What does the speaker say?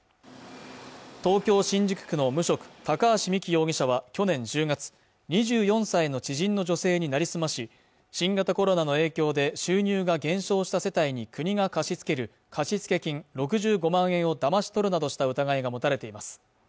東京新宿区の無職高橋実希容疑者は去年１０月２４歳の知人の女性になりすまし新型コロナの影響で収入が減少した世帯に国が貸し付ける貸付金６５万円をだまし取るなどした疑いが持たれています